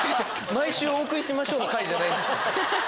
毎週お送りしましょうの回じゃないんですよ！